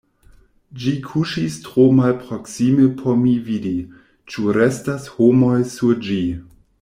Ĝi kuŝis tro malproksime por mi vidi, ĉu restas homoj sur ĝi.